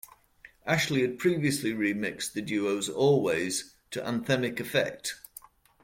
Ashley had previously remixed the duo's "Always" to anthemic effect.